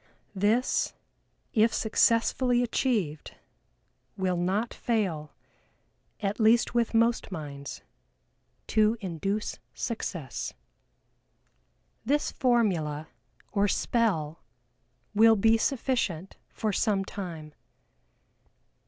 This, if successfully achieved, will not fail (at least with most minds) to induce success. This formula, or "spell," will be sufficient for some time.